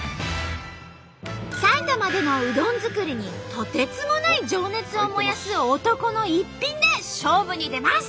埼玉でのうどん作りにとてつもない情熱を燃やす男の一品で勝負に出ます。